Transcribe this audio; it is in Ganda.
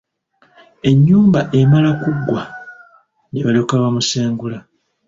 Ennyumba emala kuggwa ne balyoka bamusengula.